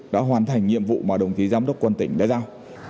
đã hoàn thành nhiệm vụ mà đồng chí giám đốc quân tỉnh đã giao